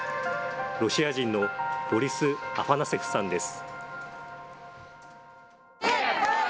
ロシア人のボリス・アファナセフさんです。